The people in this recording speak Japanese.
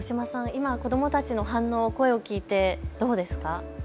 今、子どもたちの反応、声を聞いてどうですか。